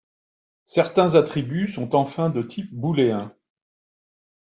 Certains attributs sont enfin de type booléen.